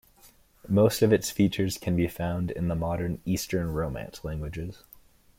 Most of its features can be found in the modern Eastern Romance languages.